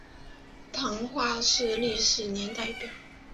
彰化市历史年表